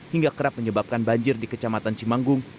hingga kerap menyebabkan banjir di kecamatan cimanggung